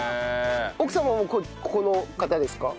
奥様もここの方ですか？